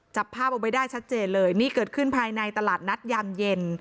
จับภาพเอาไว้ได้ชัดเจนเลยนี่เกิดขึ้นภายในตลาดนัดยามเย็น